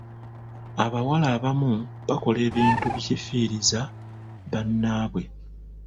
Abawala abamu bakola ebintu bikifiiriza bannaabwe.